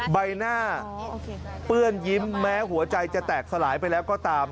ใบหน้าเปื้อนยิ้มแม้หัวใจจะแตกสลายไปแล้วก็ตาม